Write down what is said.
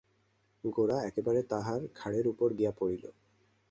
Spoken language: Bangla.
গোরা একেবারে তাঁহার ঘাড়ের উপর গিয়া পড়িল।